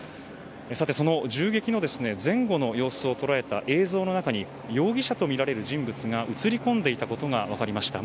その銃撃の前後の様子を捉えた映像の中に容疑者とみられる人物が映り込んでいたことが分かりました。